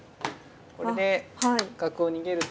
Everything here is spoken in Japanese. これで角を逃げると。